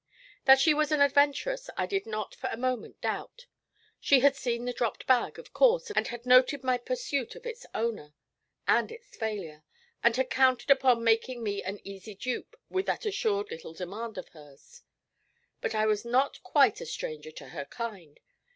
That she was an adventuress I did not for a moment doubt. She had seen the dropped bag, of course, and had noted my pursuit of its owner, and its failure, and she had counted upon making me an easy dupe with that assured little demand of hers. But I was not quite a stranger to her kind.